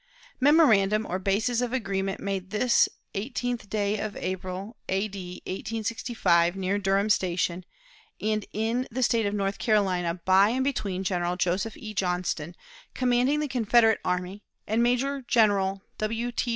"Memorandum, or basis of agreement, made this 18th day of April, A. D. 1865, near Durham Station, and in the State of North Carolina, by and between General Joseph E. Johnston, commanding the Confederate army, and Major General W. T.